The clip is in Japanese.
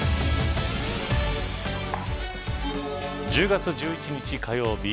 １０月１１日火曜日